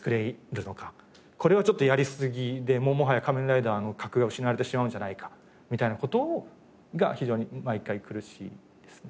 これはちょっとやりすぎでもはや仮面ライダーの格が失われてしまうんじゃないかみたいな事が非常に毎回苦しいですね。